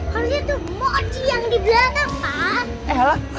harusnya tuh moci yang dibilang sama pa